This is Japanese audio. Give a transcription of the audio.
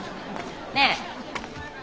ねえ。